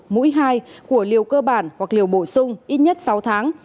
mũi hai của liều cơ bản hoặc liều bổ sung ít nhất sáu tháng